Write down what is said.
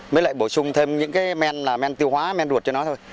mới lại bổ sung thêm những cái men là men tiêu hóa men ruột cho nó thôi